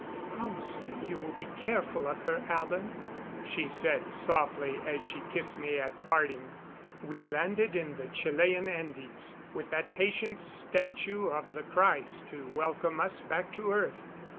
"Promise me you will be careful of her, Alan," she said softly as she kissed me at parting. We landed in the Chilean Andes, with that patient statue of the Christ to welcome us back to earth.